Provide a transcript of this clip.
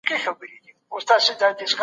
موږ د انګورو په خوړلو اخته یو.